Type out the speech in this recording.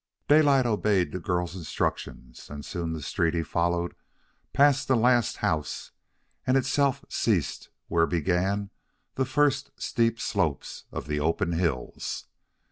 Daylight obeyed the girl's instructions, and soon the street he followed passed the last house and itself ceased where began the first steep slopes of the open hills.